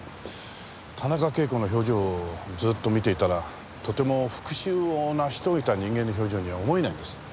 田中啓子の表情をずっと見ていたらとても復讐を成し遂げた人間の表情には思えないんです。